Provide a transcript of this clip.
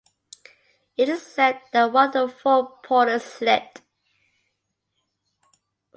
It is said that one of the four porters slipped.